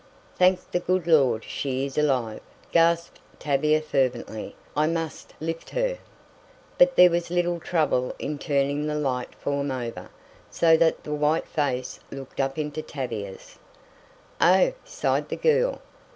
"Thank the good Lord she is alive!" gasped Tavia fervently. "I must lift her!" But there was little trouble in turning the light form over, so that the white face looked up into Tavia's. "Oh!" sighed the girl.